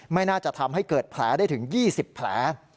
ไม่น่าจะทำให้เกิดแผลได้ถึง๒๐แผล